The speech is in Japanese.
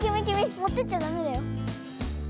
もってっちゃダメだよ。